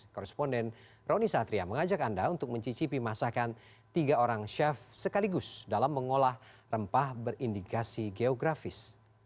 korresponden roni satria mengajak anda untuk mencicipi masakan tiga orang chef sekaligus dalam mengolah rempah berindikasi geografis